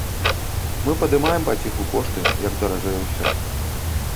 Мы падымаем паціху кошты, як даражэе ўсё.